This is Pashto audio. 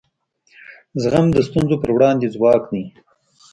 زغم د ستونزو پر وړاندې ځواک دی.